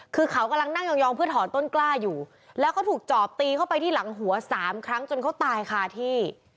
คือเขากำลังนั่งยองเพื่อถอนต้นกล้าอยู่แล้วเขาถูกจอบตีเข้าไปที่หลังหัว๓ครั้งจนเขาตายคาที่